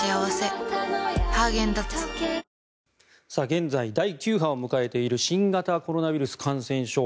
現在第９波を迎えている新型コロナウイルス感染症。